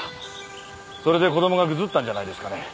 それで子供がぐずったんじゃないですかね。